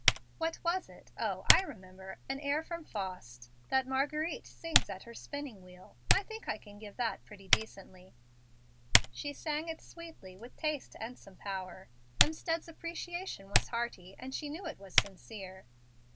"What was it? O, I remember. An arr from Faust, that Marguerite sings at her spinning wheel. I think I can give that pretty decently." She sang it sweetly, with taste and some power. Hemstead's appreciation was hearty, and she knew it was sincere.